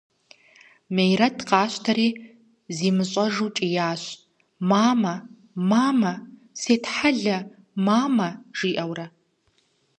Мерэт къащтэри зимыщӀэжу кӀиящ: – Мамэ, мамэ! Сетхьэлэ, мамэ! – жиӀэурэ.